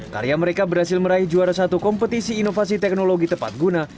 karya mereka berhasil meraih juara satu kompetisi inovasi teknologi tepat guna